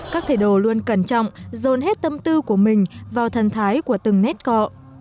các thầy đồ luôn cẩn trọng dồn hết tâm tư của mình vào thần thái của từng nét cọ